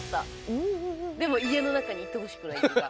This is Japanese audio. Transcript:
でも家の中にいてほしくないっていうか。